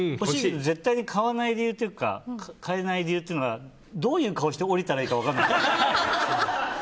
絶対買わない理由というか買えない理由っていうかどういう顔して降りたらいいのか分からない。